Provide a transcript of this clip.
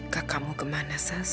kakakmu kemana sas